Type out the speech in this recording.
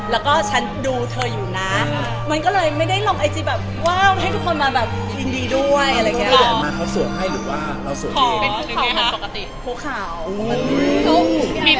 แล้วคนเราตอบไปว่าขอประโยควันนั้นเลย